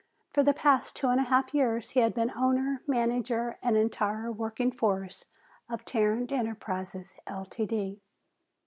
For the past two and a half years he had been owner, manager and entire working force of Tarrant Enterprises, Ltd.